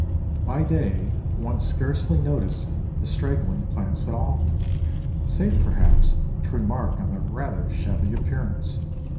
By day one scarcely noticed the straggling plants at all, save perhaps to remark on their rather shabby appearance.